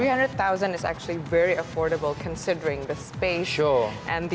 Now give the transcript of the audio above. tiga ratus adalah sangat murah mengandalkan ruang dan karya seni